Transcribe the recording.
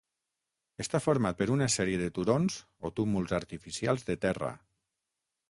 Està format per una sèrie de turons o túmuls artificials de terra.